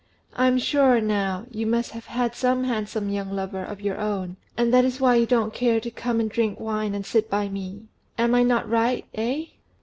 I'm sure, now, you must have some handsome young lover of your own, and that is why you don't care to come and drink wine and sit by me. Am I not right, eh?"